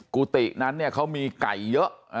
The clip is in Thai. กุฏินั้นเนี่ยเขามีไก่เยอะ